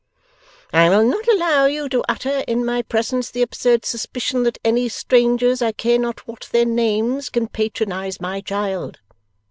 I will not allow you to utter in my presence the absurd suspicion that any strangers I care not what their names can patronize my child.